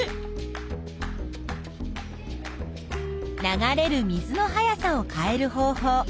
流れる水の速さを変える方法